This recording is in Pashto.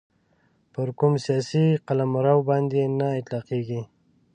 پر کوم سیاسي قلمرو باندي نه اطلاقیږي.